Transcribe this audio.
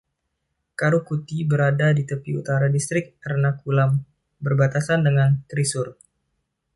Karukutty berada di tepi utara distrik Ernakulam, berbatasan dengan Thrissur.